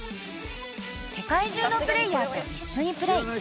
［世界中のプレーヤーと一緒にプレー］